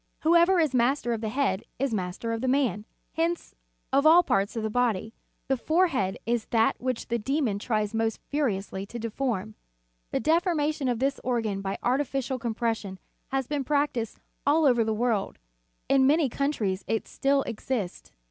Whoever is master of the head is master of the man. Hence, of all parts of the human body, the forehead is that which the demon tries most furiously to deform. The deformation of this organ by artificial compression has been practised all over the world; in many coun tries it still exists.